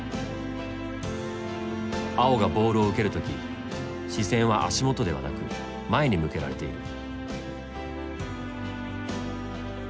碧がボールを受ける時視線は足元ではなく前に向けられている。